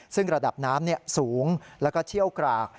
ซึ่งระดับน้ำสูงแล้วก็เชี่ยวกราก